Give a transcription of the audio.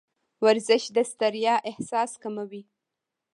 ورزش د ستړیا احساس کموي.